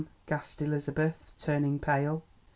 gasped Elizabeth, turning pale.